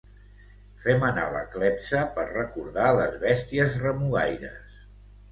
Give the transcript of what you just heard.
Fem anar la clepsa per recordar les bèsties remugaires.